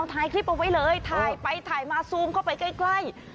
ถ่ายคลิปเอาไว้เลยถ่ายไปถ่ายมาซูมเข้าไปใกล้